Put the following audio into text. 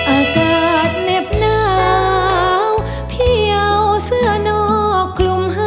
อากาศเน็บหนาวพี่เอาเสื้อนอกกลุ่มไห้